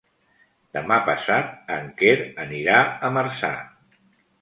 Demà passat en Quer anirà a Marçà.